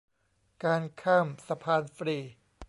การข้ามสะพานฟรี